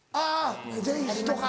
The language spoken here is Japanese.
前室とか。